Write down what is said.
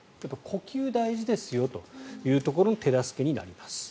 呼吸が大事ですよというところの手助けになります。